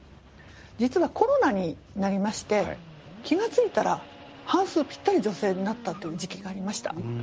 実はコロナになりまして気がついたら半数ピッタリ女性になったっていう時期がありました。